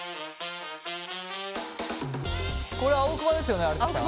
これ青クマですよね有田さん？